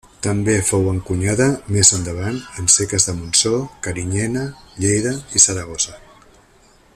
També fou encunyada, més endavant, en seques de Montsó, Carinyena, Lleida i Saragossa.